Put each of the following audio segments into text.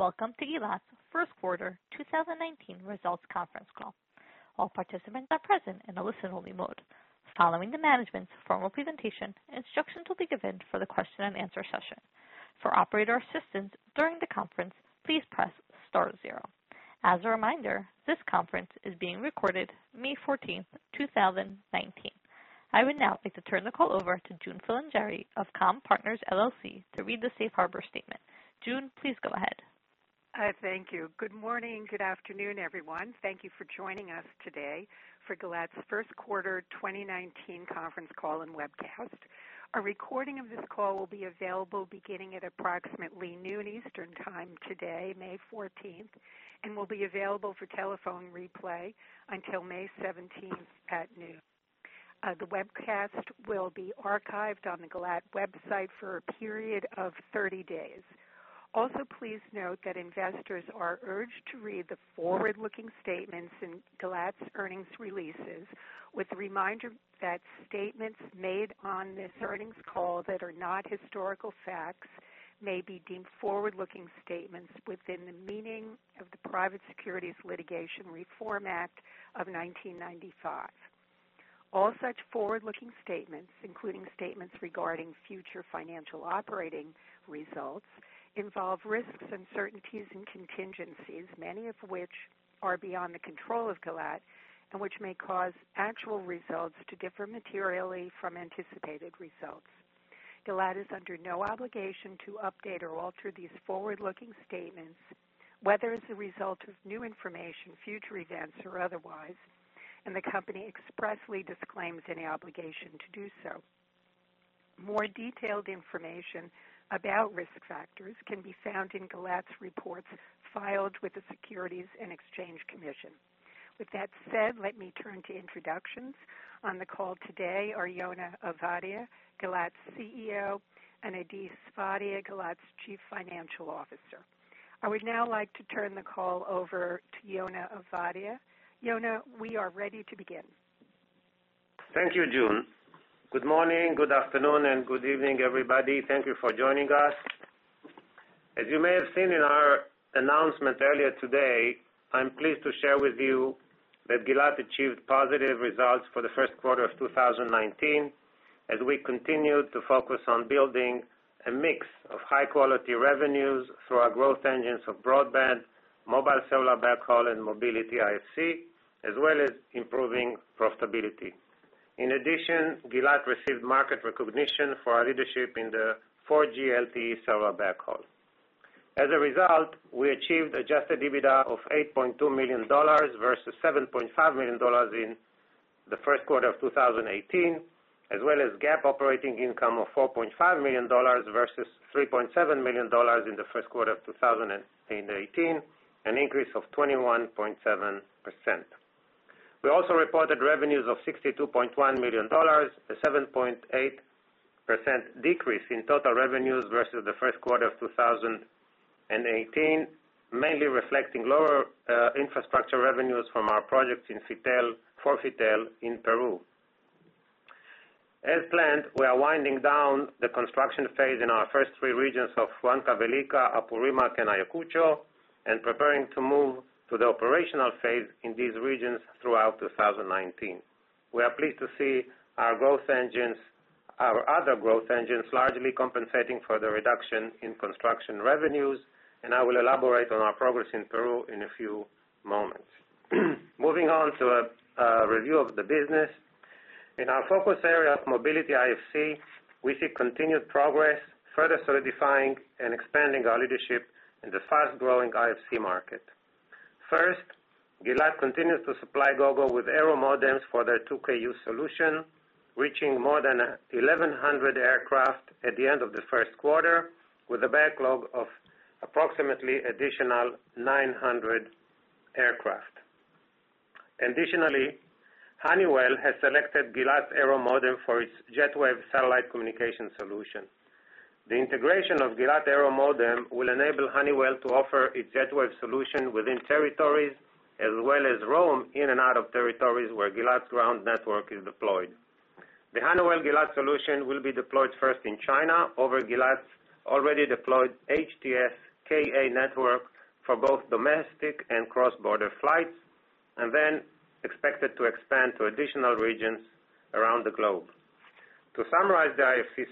Welcome to Gilat's first quarter 2019 results conference call. All participants are present in a listen-only mode. Following the management's formal presentation, instructions will be given for the question and answer session. For operator assistance during the conference, please press star zero. As a reminder, this conference is being recorded May 14th, 2019. I would now like to turn the call over to June Filingeri of Comm-Partners LLC to read the safe harbor statement. June, please go ahead. Thank you. Good morning, good afternoon, everyone. Thank you for joining us today for Gilat's first quarter 2019 conference call and webcast. A recording of this call will be available beginning at approximately noon Eastern time today, May 14th, and will be available for telephone replay until May 17th at noon. The webcast will be archived on the Gilat website for a period of 30 days. Also, please note that investors are urged to read the forward-looking statements in Gilat's earnings releases with reminder that statements made on this earnings call that are not historical facts may be deemed forward-looking statements within the meaning of the Private Securities Litigation Reform Act of 1995. All such forward-looking statements, including statements regarding future financial operating results, involve risks, uncertainties, and contingencies, many of which are beyond the control of Gilat and which may cause actual results to differ materially from anticipated results. Gilat is under no obligation to update or alter these forward-looking statements, whether as a result of new information, future events, or otherwise, and the company expressly disclaims any obligation to do so. More detailed information about risk factors can be found in Gilat's reports filed with the Securities and Exchange Commission. With that said, let me turn to introductions. On the call today are Yona Ovadia, Gilat's CEO, and Adi Sfadia, Gilat's Chief Financial Officer. I would now like to turn the call over to Yona Ovadia. Yona, we are ready to begin. Thank you, June. Good morning, good afternoon, and good evening, everybody. Thank you for joining us. As you may have seen in our announcement earlier today, I'm pleased to share with you that Gilat achieved positive results for the first quarter of 2019, as we continue to focus on building a mix of high-quality revenues through our growth engines of broadband, mobile cellular backhaul, and mobility IFC, as well as improving profitability. In addition, Gilat received market recognition for our leadership in the 4G LTE cellular backhaul. As a result, we achieved adjusted EBITDA of $8.2 million versus $7.5 million in the first quarter of 2018, as well as GAAP operating income of $4.5 million versus $3.7 million in the first quarter of 2018, an increase of 21.7%. We also reported revenues of $62.1 million, a 7.8% decrease in total revenues versus the first quarter of 2018, mainly reflecting lower infrastructure revenues from our projects for Pronatel in Peru. As planned, we are winding down the construction phase in our first three regions of Huancavelica, Apurimac, and Ayacucho, and preparing to move to the operational phase in these regions throughout 2019. We are pleased to see our other growth engines largely compensating for the reduction in construction revenues. I will elaborate on our progress in Peru in a few moments. Moving on to a review of the business. In our focus area of mobility IFC, we see continued progress, further solidifying and expanding our leadership in the fast-growing IFC market. First, Gilat continues to supply Gogo with Aero modems for their 2Ku solution, reaching more than 1,100 aircraft at the end of the first quarter, with a backlog of approximately additional 900 aircraft. Additionally, Honeywell has selected Gilat's Aero modem for its JetWave satellite communication solution. The integration of Gilat Aero modem will enable Honeywell to offer its JetWave solution within territories, as well as roam in and out of territories where Gilat's ground network is deployed. The Honeywell Gilat solution will be deployed first in China over Gilat's already deployed HTS Ka-band network for both domestic and cross-border flights, then expected to expand to additional regions around the globe. To summarize the IFC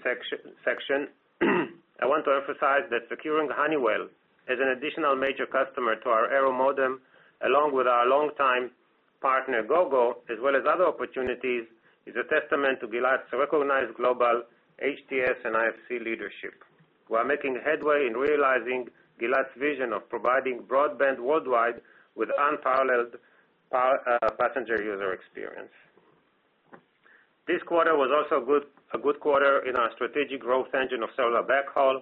section, I want to emphasize that securing Honeywell as an additional major customer to our Aero modem, along with our longtime partner, Gogo, as well as other opportunities, is a testament to Gilat's recognized global HTS and IFC leadership. We are making headway in realizing Gilat's vision of providing broadband worldwide with unparalleled passenger user experience. This quarter was also a good quarter in our strategic growth engine of cellular backhaul.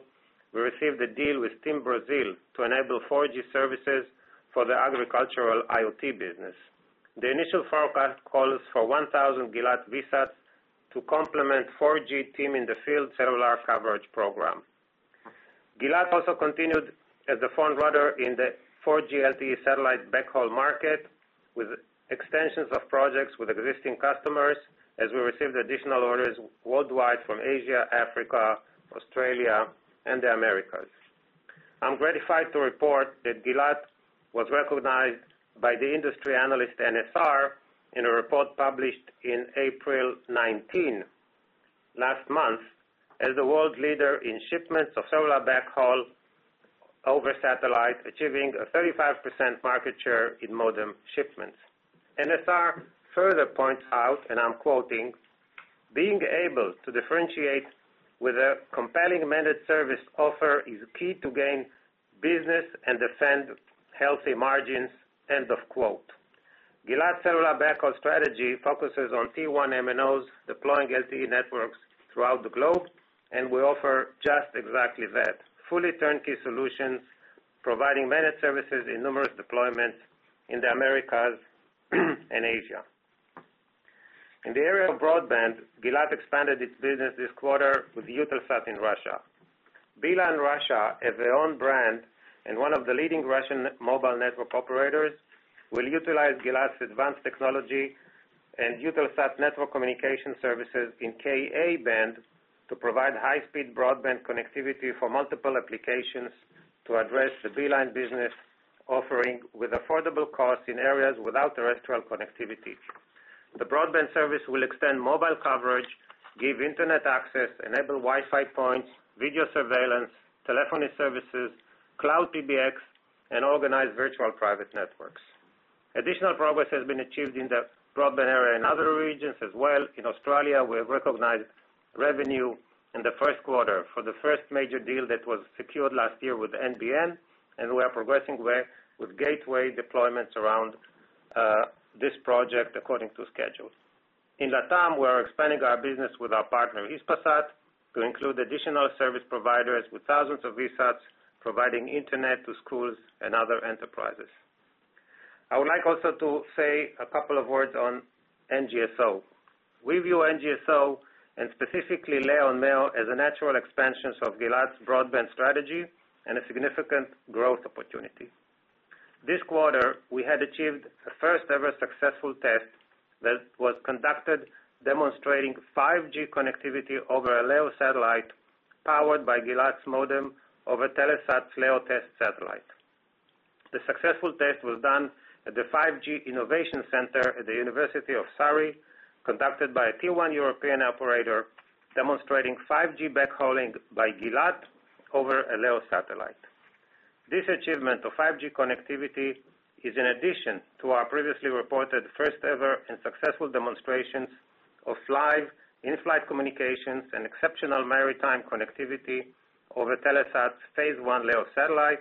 We received a deal with TIM Brasil to enable 4G services for the agricultural IoT business. The initial forecast calls for 1,000 Gilat VSATs to complement 4G TIM in the Field cellular coverage program. Gilat also continued as the frontrunner in the 4G LTE satellite backhaul market, with extensions of projects with existing customers as we received additional orders worldwide from Asia, Africa, Australia, and the Americas. I'm gratified to report that Gilat was recognized by the industry analyst NSR in a report published in April 19, last month, as the world leader in shipments of cellular backhaul over satellite, achieving a 35% market share in modem shipments. NSR further points out, I'm quoting, "Being able to differentiate with a compelling managed service offer is key to gain business and defend healthy margins." Gilat cellular backhaul strategy focuses on T1 MNOs deploying LTE networks throughout the globe, we offer just exactly that. Fully turnkey solutions providing managed services in numerous deployments in the Americas and Asia. In the area of broadband, Gilat expanded its business this quarter with Eutelsat in Russia. Beeline Russia is their own brand and one of the leading Russian mobile network operators will utilize Gilat's advanced technology and Eutelsat network communication services in Ka-band to provide high-speed broadband connectivity for multiple applications to address the Beeline business offering with affordable cost in areas without terrestrial connectivity. The broadband service will extend mobile coverage, give internet access, enable Wi-Fi points, video surveillance, telephony services, cloud PBX, and organize virtual private networks. Additional progress has been achieved in the broadband area in other regions as well. In Australia, we recognized revenue in the first quarter for the first major deal that was secured last year with NBN, we are progressing with gateway deployments around this project according to schedule. In Latam, we are expanding our business with our partner Hispasat to include additional service providers with thousands of VSATs providing internet to schools and other enterprises. I would like also to say a couple of words on NGSO. We view NGSO and specifically LEO and MEO as a natural expansion of Gilat's broadband strategy and a significant growth opportunity. This quarter, we had achieved a first-ever successful test that was conducted demonstrating 5G connectivity over a LEO satellite powered by Gilat's modem over Telesat's LEO test satellite. The successful test was done at the 5G Innovation Center at the University of Surrey, conducted by a T1 European operator, demonstrating 5G backhauling by Gilat over a LEO satellite. This achievement of 5G connectivity is in addition to our previously reported first-ever and successful demonstrations of live in-flight communications and exceptional maritime connectivity over Telesat's phase one LEO satellite.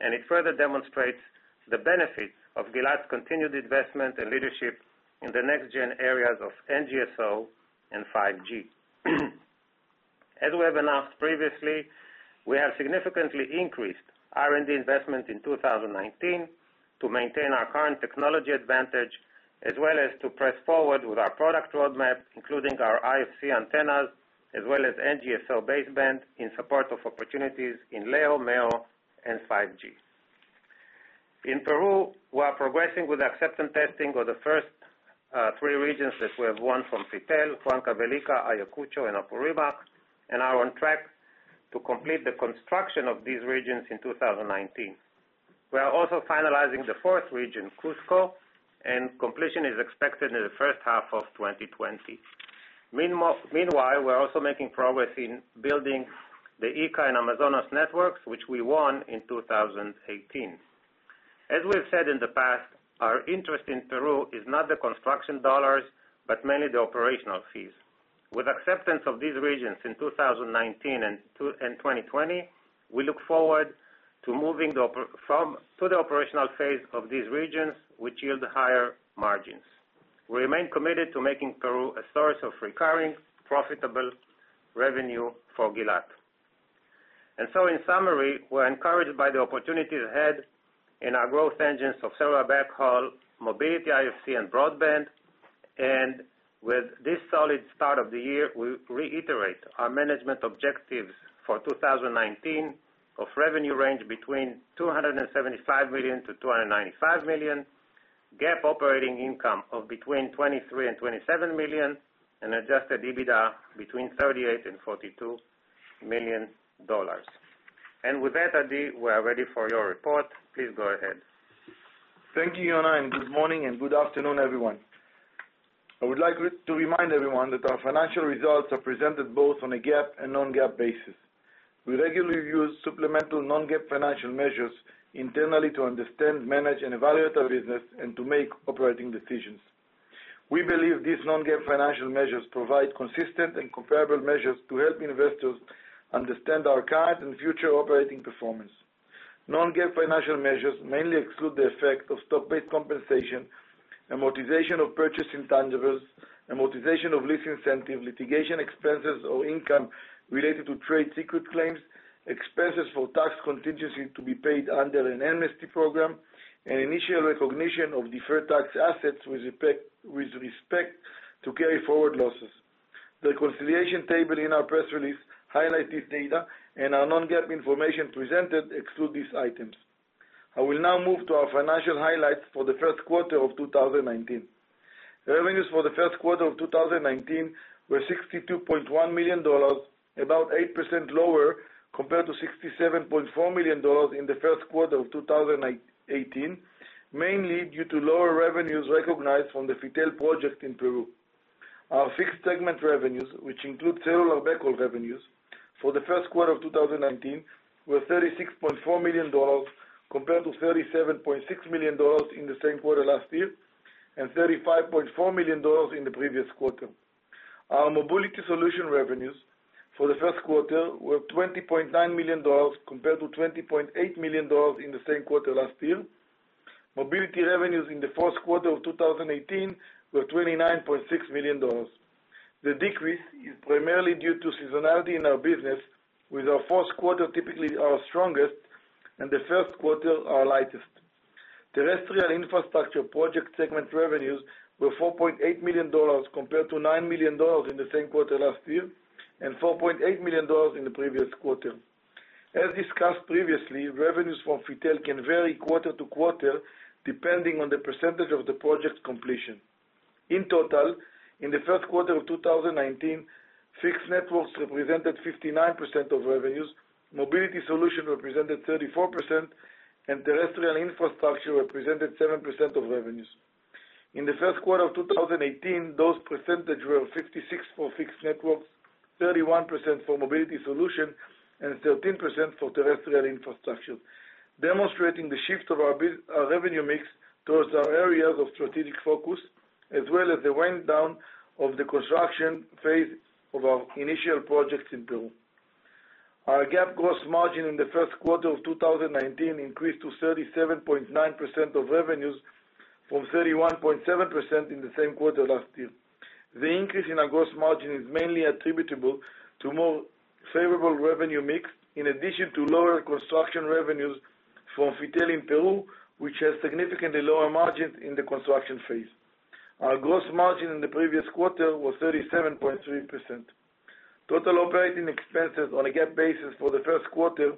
It further demonstrates the benefits of Gilat's continued investment and leadership in the next-gen areas of NGSO and 5G. As we have announced previously, we have significantly increased R&D investment in 2019 to maintain our current technology advantage as well as to press forward with our product roadmap, including our IFC antennas, as well as NGSO baseband in support of opportunities in LEO, MEO, and 5G. In Peru, we are progressing with acceptance testing of the first three regions that we have won from FITEL, Huancavelica, Ayacucho, and Apurimac, we are on track to complete the construction of these regions in 2019. We are also finalizing the fourth region, Cusco, and completion is expected in the first half of 2020. Meanwhile, we're also making progress in building the Ica and Amazonas networks, which we won in 2018. As we've said in the past, our interest in Peru is not the construction U.S. dollars, but mainly the operational fees. With acceptance of these regions in 2019 and 2020, we look forward to moving to the operational phase of these regions, which yield higher margins. We remain committed to making Peru a source of recurring, profitable revenue for Gilat. In summary, we're encouraged by the opportunities ahead in our growth engines of cellular backhaul, mobility IFC, and broadband. With this solid start of the year, we reiterate our management objectives for 2019 of revenue range between $275 million-$295 million, GAAP operating income of between $23 million and $27 million, and adjusted EBITDA between $38 million and $42 million. With that, Adi, we are ready for your report. Please go ahead. Thank you, Yona, and good morning and good afternoon, everyone. I would like to remind everyone that our financial results are presented both on a GAAP and non-GAAP basis. We regularly use supplemental non-GAAP financial measures internally to understand, manage, and evaluate our business and to make operating decisions. We believe these non-GAAP financial measures provide consistent and comparable measures to help investors understand our current and future operating performance. Non-GAAP financial measures mainly exclude the effect of stock-based compensation, amortization of purchase intangibles, amortization of lease incentive, litigation expenses or income related to trade secret claims, expenses for tax contingency to be paid under an amnesty program, and initial recognition of deferred tax assets with respect to carryforward losses. The reconciliation table in our press release highlights this data, and our non-GAAP information presented excludes these items. I will now move to our financial highlights for the first quarter of 2019. Revenues for the first quarter of 2019 were $62.1 million, about 8% lower compared to $67.4 million in the first quarter of 2018, mainly due to lower revenues recognized from the Pronatel project in Peru. Our Fixed segment revenues, which include cellular backhaul revenues for the first quarter of 2019, were $36.4 million compared to $37.6 million in the same quarter last year, and $35.4 million in the previous quarter. Our Mobility Solution revenues for the first quarter were $20.9 million compared to $20.8 million in the same quarter last year. Mobility revenues in the fourth quarter of 2018 were $29.6 million. The decrease is primarily due to seasonality in our business, with our fourth quarter typically our strongest and the first quarter our lightest. Terrestrial Infrastructure Project segment revenues were $4.8 million compared to $9 million in the same quarter last year and $4.8 million in the previous quarter. As discussed previously, revenues from Pronatel can vary quarter to quarter, depending on the percentage of the project's completion. In total, in the first quarter of 2019, Fixed Networks represented 59% of revenues, Mobility Solution represented 34%, and Terrestrial Infrastructure represented 7% of revenues. In the first quarter of 2018, those percentages were 56% for Fixed Networks, 31% for Mobility Solution, and 13% for Terrestrial Infrastructure, demonstrating the shift of our revenue mix towards our areas of strategic focus, as well as the wind-down of the construction phase of our initial projects in Peru. Our GAAP gross margin in the first quarter of 2019 increased to 37.9% of revenues from 31.7% in the same quarter last year. The increase in our gross margin is mainly attributable to a more favorable revenue mix, in addition to lower construction revenues from Pronatel in Peru, which has significantly lower margins in the construction phase. Our gross margin in the previous quarter was 37.3%. Total operating expenses on a GAAP basis for the first quarter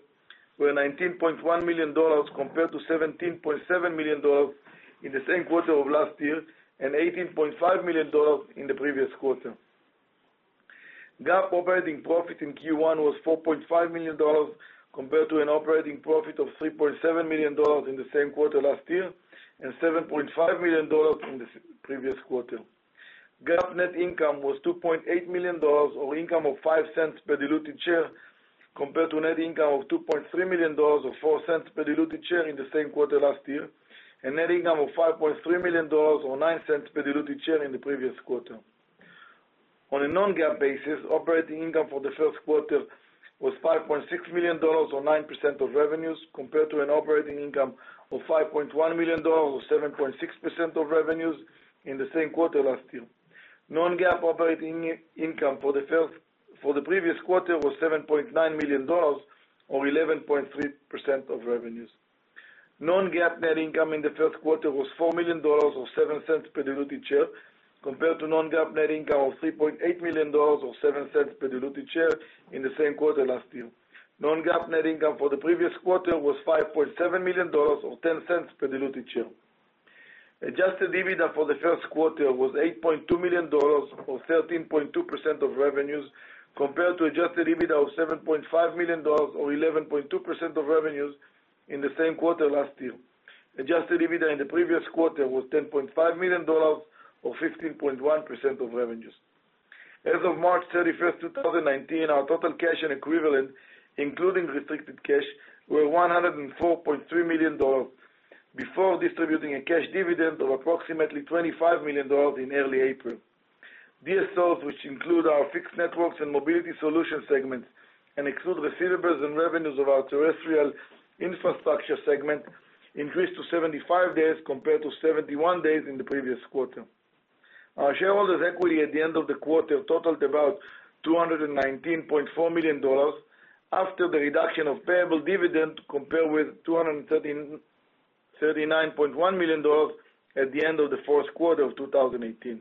were $19.1 million compared to $17.7 million in the same quarter of last year and $18.5 million in the previous quarter. GAAP operating profit in Q1 was $4.5 million compared to an operating profit of $3.7 million in the same quarter last year and $7.5 million in the previous quarter. GAAP net income was $2.8 million, or income of $0.05 per diluted share, compared to a net income of $2.3 million or $0.04 per diluted share in the same quarter last year, and net income of $5.3 million or $0.09 per diluted share in the previous quarter. On a non-GAAP basis, operating income for the first quarter was $5.6 million or 9% of revenues, compared to an operating income of $5.1 million or 7.6% of revenues in the same quarter last year. Non-GAAP operating income for the previous quarter was $7.9 million, or 11.3% of revenues. Non-GAAP net income in the first quarter was $4 million or $0.07 per diluted share, compared to non-GAAP net income of $3.8 million or $0.07 per diluted share in the same quarter last year. Non-GAAP net income for the previous quarter was $5.7 million, or $0.10 per diluted share. Adjusted EBITDA for the first quarter was $8.2 million or 13.2% of revenues, compared to adjusted EBITDA of $7.5 million or 11.2% of revenues in the same quarter last year. Adjusted EBITDA in the previous quarter was $10.5 million or 15.1% of revenues. As of March 31st, 2019, our total cash and equivalent, including restricted cash, were $104.3 million, before distributing a cash dividend of approximately $25 million in early April. DSOs, which include our Fixed Networks and Mobility Solution segments and exclude receivables and revenues of our Terrestrial Infrastructure segment, increased to 75 days compared to 71 days in the previous quarter. Our shareholders' equity at the end of the quarter totaled about $219.4 million after the reduction of payable dividend, compared with $239.1 million at the end of the fourth quarter of 2018.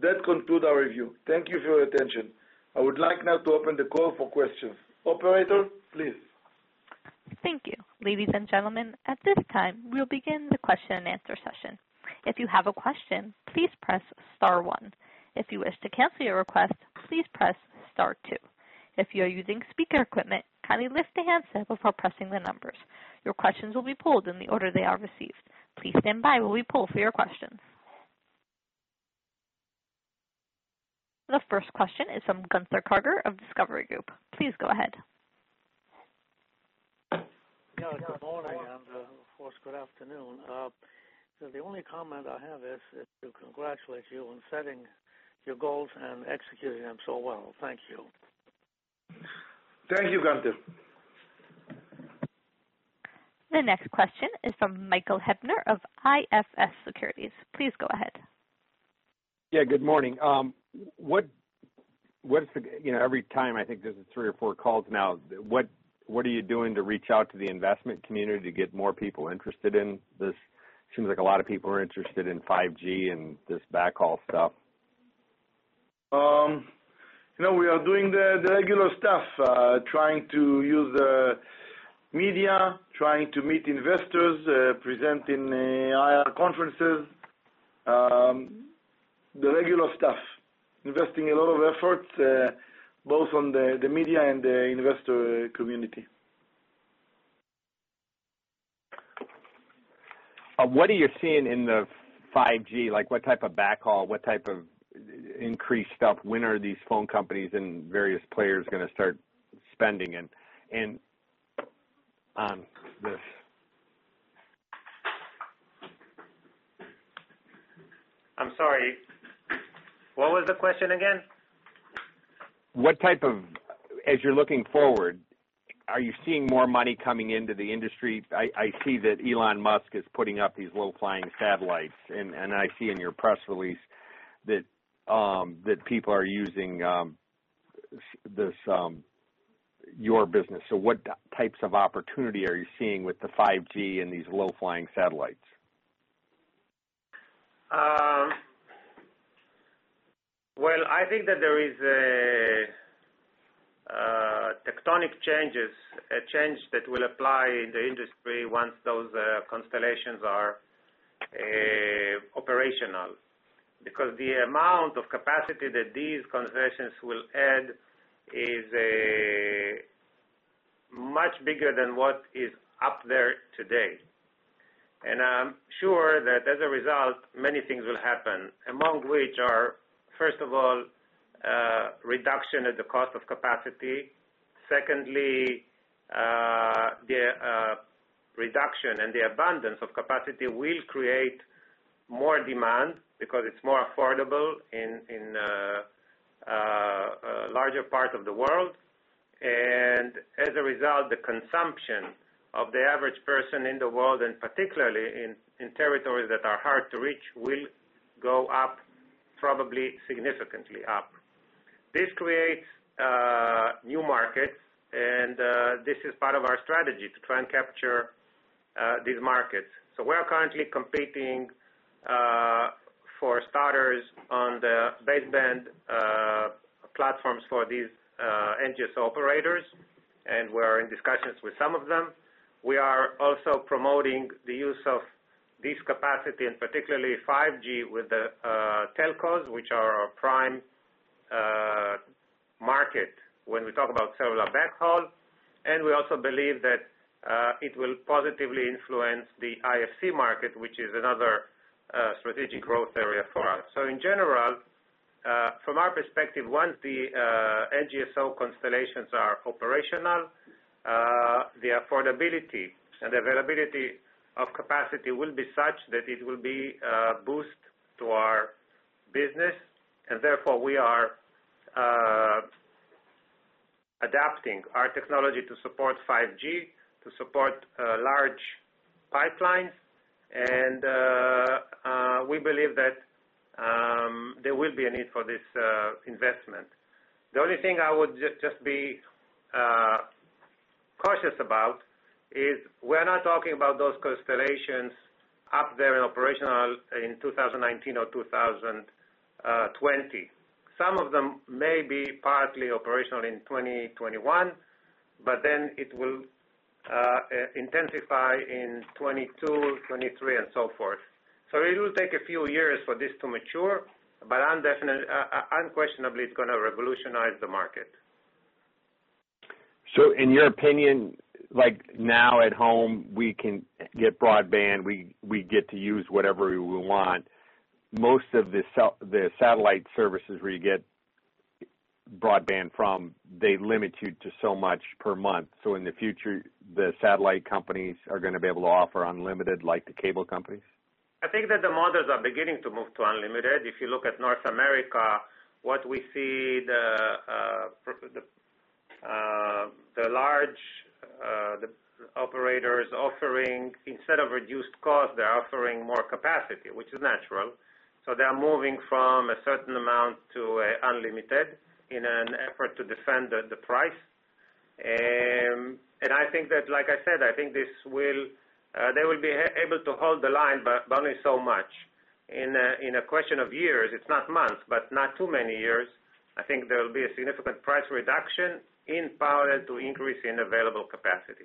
That concludes our review. Thank you for your attention. I would like now to open the call for questions. Operator, please. Thank you. Ladies and gentlemen, at this time, we'll begin the question and answer session. If you have a question, please press star one. If you wish to cancel your request, please press star two. If you are using speaker equipment, kindly lift the handset before pressing the numbers. Your questions will be pulled in the order they are received. Please stand by while we pull for your questions. The first question is from Gunther Karger of Discovery Group. Please go ahead. Yeah, good morning, of course, good afternoon. The only comment I have is to congratulate you on setting your goals and executing them so well. Thank you. Thank you, Gunther. The next question is from Michael Hebner of IFS Securities. Please go ahead. Yeah, good morning. Every time, I think this is three or four calls now, what are you doing to reach out to the investment community to get more people interested in this? Seems like a lot of people are interested in 5G and this backhaul stuff. We are doing the regular stuff, trying to use media, trying to meet investors, present in IR conferences. The regular stuff. Investing a lot of effort, both on the media and the investor community. What are you seeing in the 5G? What type of backhaul, what type of increased stuff? When are these phone companies and various players going to start spending on this? I'm sorry, what was the question again? As you're looking forward, are you seeing more money coming into the industry? I see that Elon Musk is putting up these low-flying satellites, and I see in your press release that people are using your business. What types of opportunity are you seeing with the 5G and these low-flying satellites? Well, I think that there is tectonic changes, a change that will apply in the industry once those constellations are operational. The amount of capacity that these conversions will add is much bigger than what is up there today. I'm sure that as a result, many things will happen, among which are, first of all, reduction of the cost of capacity. Secondly, the reduction and the abundance of capacity will create more demand because it's more affordable in a larger part of the world. As a result, the consumption of the average person in the world, and particularly in territories that are hard to reach, will go up, probably significantly up. This creates new markets, and this is part of our strategy to try and capture these markets. We're currently competing, for starters, on the baseband platforms for these NGSO operators, we're in discussions with some of them. We are also promoting the use of this capacity, particularly 5G with the telcos, which are our prime market when we talk about cellular backhaul. We also believe that it will positively influence the IFC market, which is another strategic growth area for us. In general, from our perspective, once the NGSO constellations are operational, the affordability and availability of capacity will be such that it will be a boost to our business, therefore we are adapting our technology to support 5G, to support large pipelines, we believe that there will be a need for this investment. The only thing I would just be cautious about is we're not talking about those constellations up there and operational in 2019 or 2020. Some of them may be partly operational in 2021, it will intensify in 2022, 2023, and so forth. It will take a few years for this to mature, unquestionably, it's going to revolutionize the market. In your opinion, like now at home, we can get broadband, we get to use whatever we want. Most of the satellite services where you get broadband from, they limit you to so much per month. In the future, the satellite companies are going to be able to offer unlimited like the cable companies? I think that the models are beginning to move to unlimited. If you look at North America, what we see, the large operators offering, instead of reduced cost, they're offering more capacity, which is natural. They're moving from a certain amount to unlimited in an effort to defend the price. I think that, like I said, they will be able to hold the line, only so much. In a question of years, it's not months, not too many years, I think there will be a significant price reduction in parallel to increase in available capacity.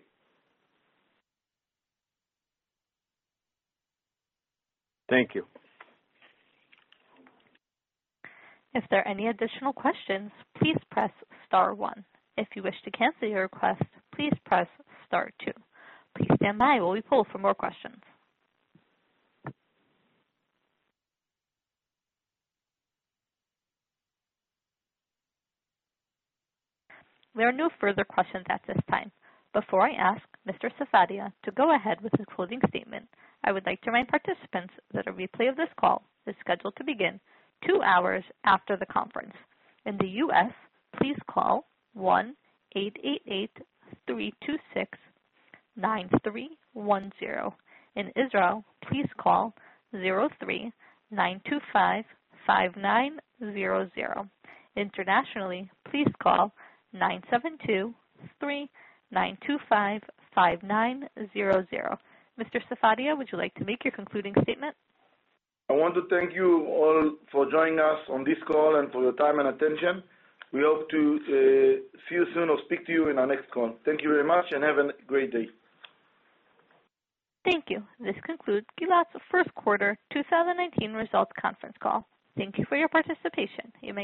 Thank you. If there are any additional questions, please press star one. If you wish to cancel your request, please press star two. Please stand by while we poll for more questions. There are no further questions at this time. Before I ask Mr. Sfadia to go ahead with his closing statement, I would like to remind participants that a replay of this call is scheduled to begin two hours after the conference. In the U.S., please call 1-888-326-9310. In Israel, please call 03-925-5900. Internationally, please call 972-3-925-5900. Mr. Sfadia, would you like to make your concluding statement? I want to thank you all for joining us on this call and for your time and attention. We hope to see you soon or speak to you in our next call. Thank you very much and have a great day. Thank you. This concludes Gilat's First Quarter 2019 Results Conference Call. Thank you for your participation. You may disconnect.